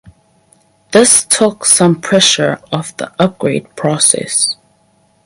This took some pressure off the upgrade process.